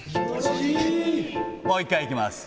もう一回いきます。